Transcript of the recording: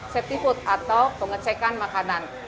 safety food atau pengecekan makanan